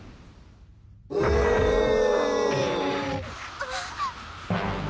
あっ！